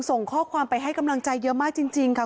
ส่งข้อความไปให้กำลังใจเยอะมากจริงค่ะ